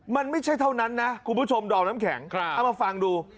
มันไม่ใช่เท่านั้นนะคุณผู้ชมดอมน้ำแข็งเอามาฟังดู